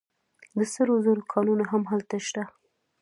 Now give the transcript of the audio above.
د سرو زرو کانونه هم هلته شته.